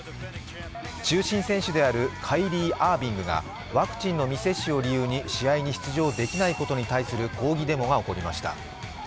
中心選手であるカイリー・アービングがワクチンの未接種を理由に試合に出場できないことに対する抗議デモが起こりました。